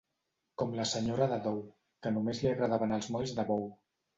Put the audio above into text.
Com la senyora de Dou, que només li agradaven els molls de bou.